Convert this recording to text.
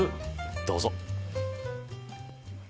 どうぞ。